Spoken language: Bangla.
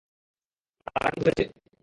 তারা কি ধরেছে?